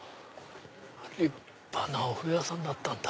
立派なお風呂屋さんだったんだ。